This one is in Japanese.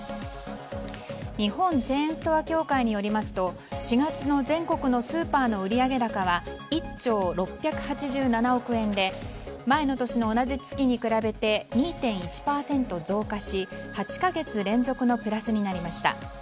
日本チェーンストア協会によりますと４月の全国のスーパーの売上高は１兆６８７億円で前の年の同じ月に比べて２．１％増加し８か月連続のプラスになりました。